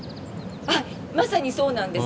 まさにそうなんです。